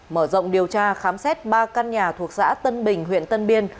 mở rộng điều tra khám xét ba căn nhà thuộc xã tân bình huyện tân biên